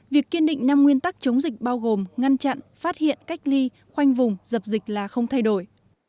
việc kiên định năm nguyên tắc chống dịch bao gồm ngăn chặn phát hiện cách ly khoanh vùng dập dịch là không thay đổi